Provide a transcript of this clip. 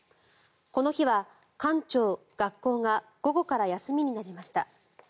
この日は官庁・学校が午後から休みになりました。